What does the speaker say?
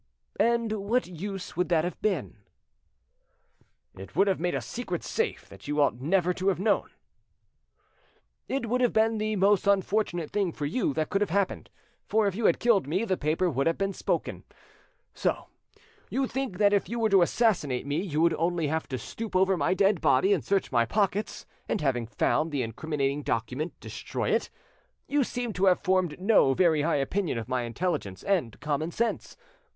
"And what use would that have been?" "It would have made a secret safe that you ought never to have known." "It would have been the most unfortunate thing for you that could have happened, for if you had killed me the paper would have spoken. So! you think that if you were to assassinate me you would only have to stoop over my dead body and search my pockets, and, having found the incriminating document, destroy it. You seem to have formed no very high opinion of my intelligence and common sense.